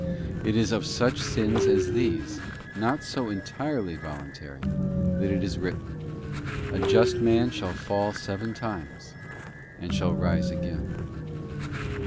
It is of such sins as these, not so entirely voluntary, that it is written: 'A just man shall fall seven times, and shall rise again.